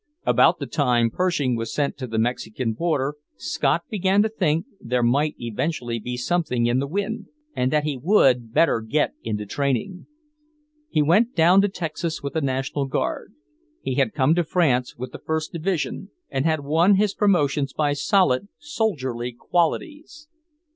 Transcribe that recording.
About the time Pershing was sent to the Mexican border, Scott began to think there might eventually be something in the wind, and that he would better get into training. He went down to Texas with the National Guard. He had come to France with the First Division, and had won his promotions by solid, soldierly qualities.